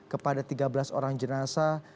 kepada tiga belas orang jenazah